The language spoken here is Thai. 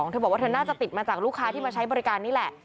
เธอบอกว่าเธอน่าจะติดมาจากลูกค้าที่มาใช้บริการนี่แหละ